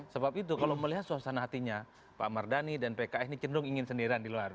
sebab itu kalau melihat suasana hatinya pak mardhani dan pks ini cenderung ingin sendirian di luar